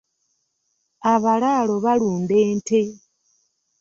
Abalaalo balunda ente.